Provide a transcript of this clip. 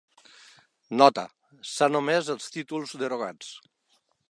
"Nota: S'han omès els títols derogats".